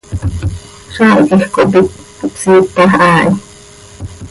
Zaah quij cohpít, ihpsiitax haa hi.